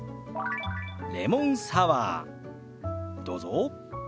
「レモンサワー」どうぞ。